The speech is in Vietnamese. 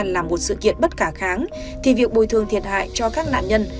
là một sự kiện bất khả kháng thì việc bồi thường thiệt hại cho các nạn nhân